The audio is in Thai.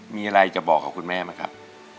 มีอะไรจะบอกกับคุณแม่ไหมครับ